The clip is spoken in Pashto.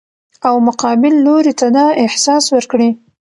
او مقابل لوري ته دا احساس ورکړي